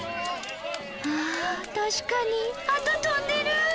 ああ確かにハト飛んでる！